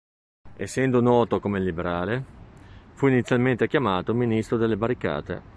Essendo noto come liberale, fu inizialmente chiamato "ministro delle barricate".